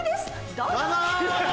どうぞ！